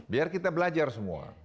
biar kita belajar semua